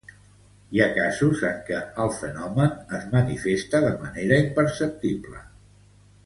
Hi ha casos en què el fenomen es manifesta de manera imperceptible.